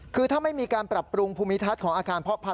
คือถ้าไม่มีการปรับปรุงภูมิทัศน์ของอาคารเพาะพันธ